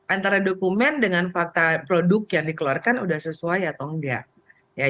antara dokumen dengan fakta produk yang dikeluarkan sudah sesuai atau enggak